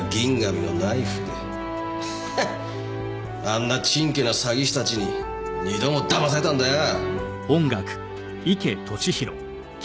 あんなちんけな詐欺師たちに２度もだまされたんだよ！